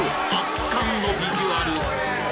圧巻のビジュアル！